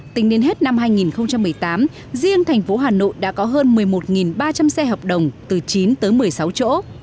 tính đến hết năm hai nghìn một mươi tám riêng thành phố hà nội đã có hơn một mươi một ba trăm linh xe hợp đồng từ chín tới một mươi sáu chỗ